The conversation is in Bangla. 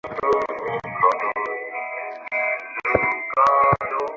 ওটা কি ডোনাল্ড ফিটজরয়?